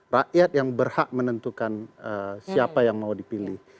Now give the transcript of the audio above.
rakyat yang berhak menentukan siapa yang mau dipilih